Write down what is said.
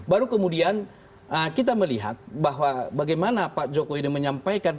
baru kemudian kita melihat bahwa bagaimana pak jokowi menyampaikan